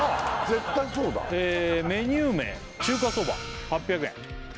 絶対そうだメニュー名中華そば８００円